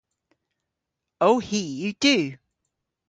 Ow hi yw du.